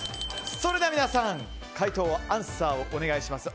それでは皆さん解答をお願いします。